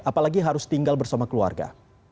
apalagi harus tinggal bersama keluarga